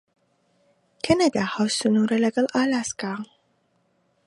کەنەدا هاوسنوورە لەگەڵ ئالاسکا.